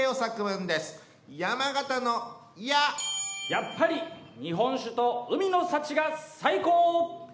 やっぱり日本酒と海の幸が最高！